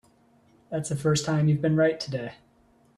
That's the first time you've been right today.